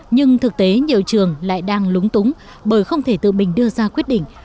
nhưng thực tế nhiều trường lại đang lúng túng bởi không thể tự mình đưa ra quyết định